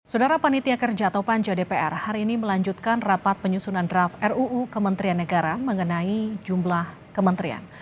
saudara panitia kerja atau panja dpr hari ini melanjutkan rapat penyusunan draft ruu kementerian negara mengenai jumlah kementerian